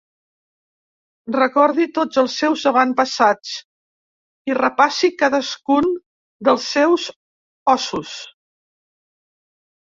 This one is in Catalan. Recordi tots els seus avantpassats i repassi cadascun dels seus ossos.